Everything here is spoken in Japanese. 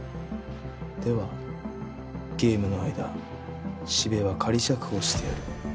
ではゲームの間四部は仮釈放してやる。